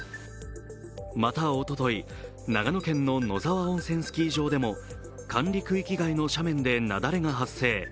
また、おととい、長野県の野沢温泉スキー場でも、管理区域外の斜面で雪崩が発生。